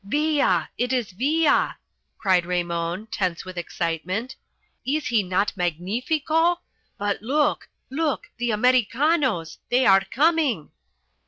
"Villa it is Villa!" cried Raymon, tense with excitement. "Is he not magnifico? But look! Look the Americanos! They are coming!"